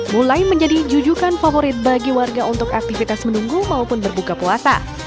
mulai menjadi jujukan favorit bagi warga untuk aktivitas menunggu maupun berbuka puasa